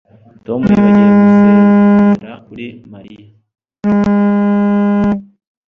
Tom yibagiwe gusezera kuri Mariya